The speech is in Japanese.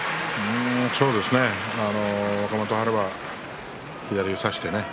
そうですね若元春は左を差してね